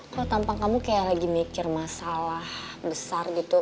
kalau tampang kamu kayak lagi mikir masalah besar gitu